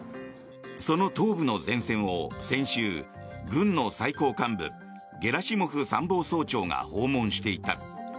その東部の前線を先週軍の最高幹部ゲラシモフ参謀総長が訪問していた。